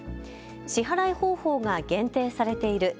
支払い方法が限定されている。